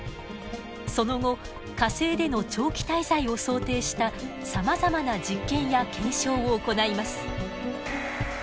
その後火星での長期滞在を想定したさまざまな実験や検証を行います。